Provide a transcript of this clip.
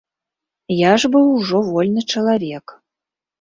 Я ж быў ужо вольны чалавек.